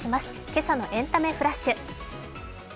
今朝のエンタメフラッシュ。